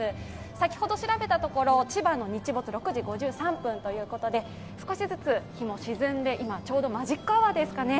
先ほど調べたところ、千葉の日没は６時５３分ということで、少しずつ日も沈んで、今、ちょうどりマジックアワーですかね。